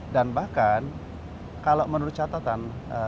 dan bahkan kalau menurut catatan